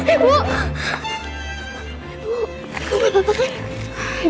ibu apa apa kan